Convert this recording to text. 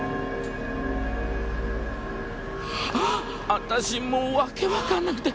私もう訳わかんなくて。